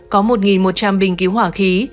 có một một trăm linh bình cứu hỏa khí